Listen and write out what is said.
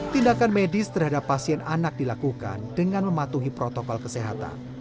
tindakan medis terhadap pasien anak dilakukan dengan mematuhi protokol kesehatan